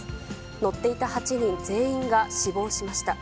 乗っていた８人全員が死亡しました。